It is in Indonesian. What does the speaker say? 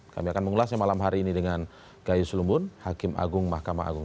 kami akan mengulasnya malam hari ini dengan gayus lumbun hakim agung mahkamah agung